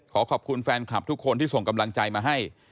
ขอบคุณแฟนคลับทุกคนที่ส่งกำลังใจมาให้